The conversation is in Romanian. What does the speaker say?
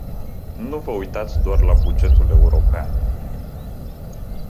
Nu vă uitați doar la bugetul european.